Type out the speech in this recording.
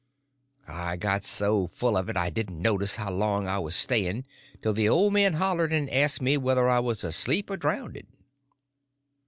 I got so full of it I didn't notice how long I was staying till the old man hollered and asked me whether I was asleep or drownded.